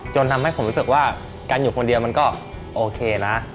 จนทำให้ผมรู้สึกว่าการอยู่คนเดียวมันก็โอเคนะ